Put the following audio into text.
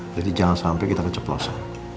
jadi jangan sampe kita keceplosa